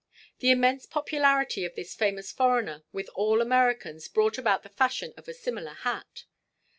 The immense popularity of this famous foreigner with all Americans brought about the fashion of a similar hat.